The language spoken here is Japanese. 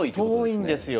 遠いんですよ。